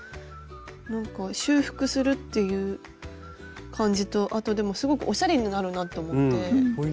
なんか修復するっていう感じとあとでもすごくおしゃれになるなと思って。